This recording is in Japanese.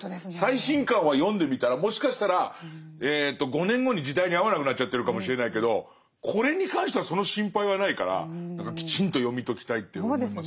最新刊は読んでみたらもしかしたら５年後に時代に合わなくなっちゃってるかもしれないけどこれに関してはその心配はないからきちんと読み解きたいって思いますね。